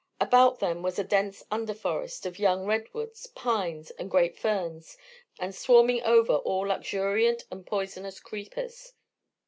About them was a dense underforest of young redwoods, pines, and great ferns; and swarming over all luxuriant and poisonous creepers.